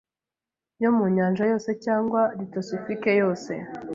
yo mu nyanja yose cyangwa litosifike yose